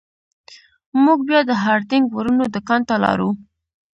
موږ بیا د هارډینګ ورونو دکان ته لاړو.